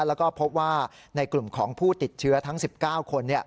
แล้วก็พบว่าในกลุ่มของผู้ติดเชื้อทั้ง๑๙คน